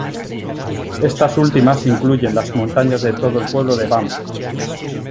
Estas últimas incluyen las montañas de todo el pueblo de Banff.